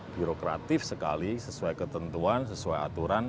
birokratif sekali sesuai ketentuan sesuai aturan